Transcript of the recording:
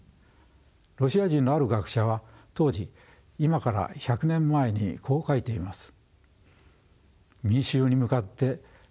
ロシア人のある学者は当時今から１００年前にこう書いています。